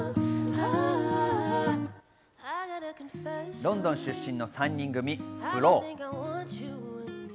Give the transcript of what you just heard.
ロンドン出身の３人組、ＦＬＯ。